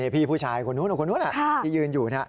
พี่ผู้ชายของคนนู้นของคนนู้นที่ยืนอยู่น่ะ